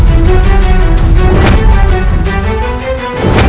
aku akan memungkinkan